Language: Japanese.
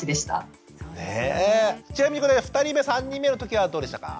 ちなみにこれ２人目３人目の時はどうでしたか？